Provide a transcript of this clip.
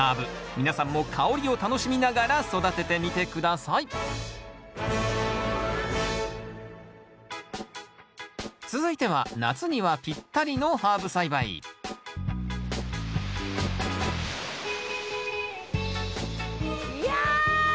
皆さんも香りを楽しみながら育ててみて下さい続いては夏にはぴったりのハーブ栽培いや夏！